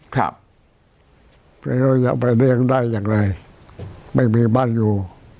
ครับแล้วจะไปเลี้ยงได้อย่างไรไม่มีบ้านอยู่